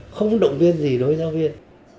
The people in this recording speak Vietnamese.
không động viên gì đối với giáo viên